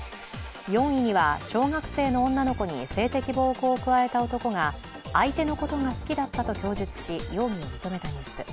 ４位には小学生の女の子に性的暴行を加えた男が相手のことが好きだったと供述し、容疑を認めたニュース。